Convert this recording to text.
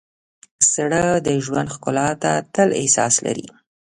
زړه د ژوند ښکلا ته تل احساس لري.